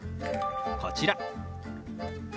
こちら。